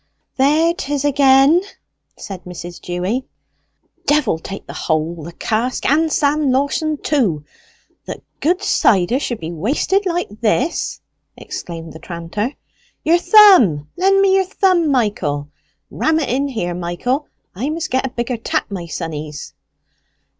"There 'tis again!" said Mrs. Dewy. "Devil take the hole, the cask, and Sam Lawson too, that good cider should be wasted like this!" exclaimed the tranter. "Your thumb! Lend me your thumb, Michael! Ram it in here, Michael! I must get a bigger tap, my sonnies."